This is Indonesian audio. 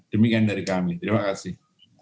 demikian dari kami terima kasih